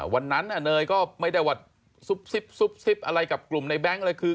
วันนั้นเนยก็ไม่ได้ว่าซุบซิบอะไรกับกลุ่มในแง๊งอะไรคือ